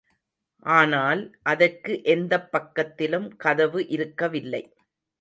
ஆனால், அதற்கு எந்தப் பக்கத்திலும் கதவு இருக்கவில்லை.